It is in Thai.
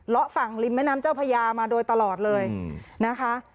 ฝั่งริมแม่น้ำเจ้าพญามาโดยตลอดเลยนะคะ